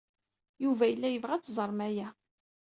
Yuba yella yebɣa ad teẓrem aya.